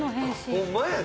ホンマやで。